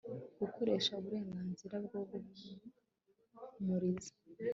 Gukoresha uburenganzira bwo guhumuriza